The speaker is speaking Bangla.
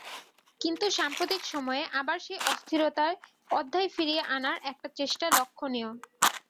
কিন্তু সাম্প্রতিক সময়ে আবার সেই অস্থিরতার অধ্যায় ফিরিয়ে আনার একটা চেষ্টা লক্ষণীয়।